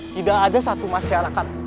tidak ada satu masyarakat